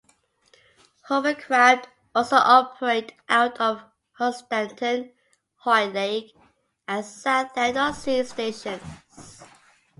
Hovercraft also operate out of Hunstanton, Hoylake, and Southend-on-Sea stations.